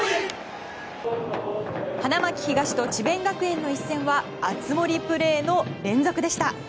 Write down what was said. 花巻東と智弁学園の一戦は熱盛プレーの連続でした。